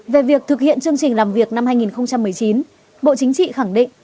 về việc thực hiện chương trình làm việc năm hai nghìn một mươi chín bộ chính trị khẳng định